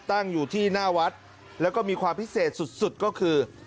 ตั้งอยู่ที่หน้าวัดแล้วก็มีความพิเศษสุดก็คือ